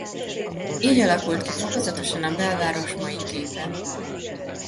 Így alakult ki fokozatosan a belváros mai képe.